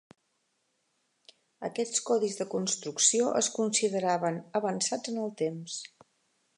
Aquests codis de construcció es consideraven avançats en el temps.